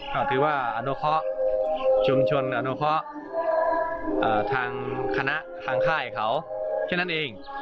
เขาถือว่าอนุพะชุมชนอนุพะทางคณะทางค่ายเขาเท่านั้นเอง